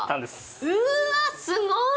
うわ、すごっ。